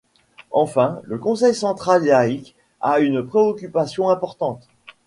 Enfin, le Conseil central laïque a une préoccupation importante.